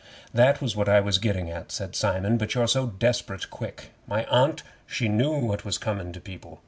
'That was what I was gettin' at,' said Simon, 'but you're so desperate quick. My Aunt she knew what was comin' to people.